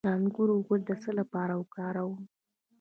د انګور ګل د څه لپاره وکاروم؟